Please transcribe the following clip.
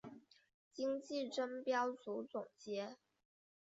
今季争标组总结。